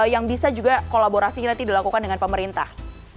yang bisa juga kolaborasinya nanti dilakukan dengan pemerintah